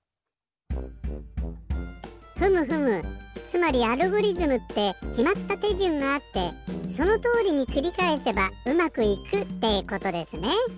ふむふむつまりアルゴリズムってきまったてじゅんがあってそのとおりにくりかえせばうまくいくってことですね。